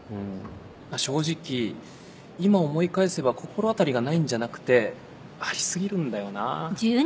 正直今思い返せば心当たりがないんじゃなくてあり過ぎるんだよなぁ。